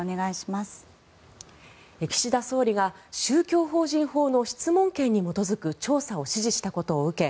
岸田総理が宗教法人法の質問権に基づく調査を指示したことを受け